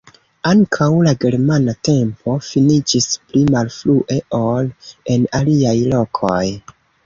Ankaŭ la germana tempo finiĝis pli malfrue ol en aliaj lokoj.